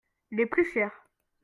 Les plus chères.